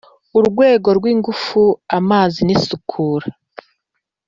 Rwego rw ingufu amazi n isukura